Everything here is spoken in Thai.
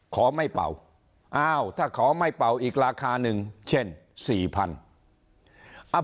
ขอไม่เป่าอ้าวถ้าขอไม่เป่าอีกราคาหนึ่งเช่น๔๐๐บาท